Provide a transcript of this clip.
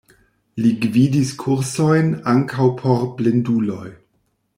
Li gvidis kursojn, ankaŭ por blinduloj.